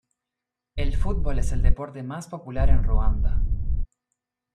El fútbol es el deporte más popular en Ruanda.